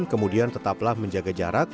kemudian tetaplah menjaga jarak